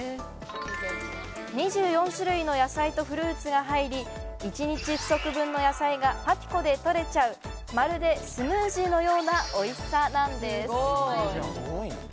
２４種類の野菜とフルーツが入り、１日不足分の野菜がパピコで取れちゃうまるでスムージーのようなおいしさなんです。